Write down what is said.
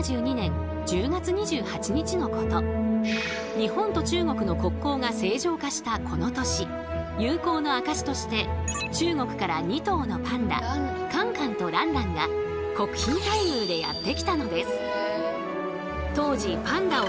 日本と中国の国交が正常化したこの年友好の証しとして中国から２頭のパンダカンカンとランランが国賓待遇でやって来たのです。